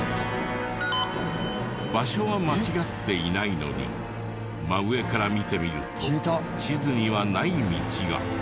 場所は間違っていないのに真上から見てみると地図にはない道が。